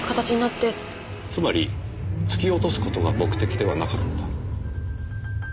つまり突き落とす事が目的ではなかった。